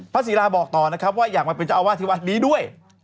พระศีราบอกต่อว่าอยากมาเป็นเจ้าอาวาสที่วัดดีด้วย